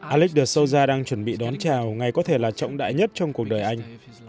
alex de souza đang chuẩn bị đón chào ngày có thể là trọng đại nhất trong cuộc đời anh